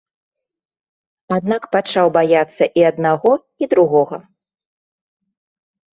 Аднак пачаў баяцца і аднаго, і другога.